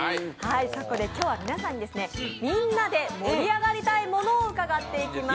そこで今日は皆さんに、みんなで盛り上がりたいものを伺っていきます。